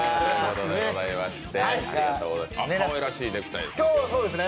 かわいらしいネクタイですね。